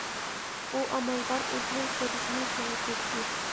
ئۇ ئامال بار ئۆزىنىڭ سودىسىنى كېڭەيتمەكچى.